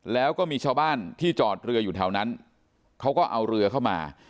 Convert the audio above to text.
แล้วก็มีชาวบ้านที่จอดเรืออยู่แถวนั้นเขาก็เอาเรือเข้ามา